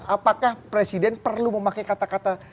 apakah presiden perlu memakai kata kata